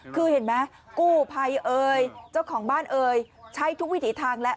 คือเห็นไหมกู้ภัยเอ่ยเจ้าของบ้านเอ่ยใช้ทุกวิถีทางแล้ว